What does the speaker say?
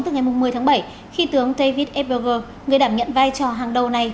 từ ngày một mươi tháng bảy khi tướng david f berger người đảm nhận vai trò hàng đầu này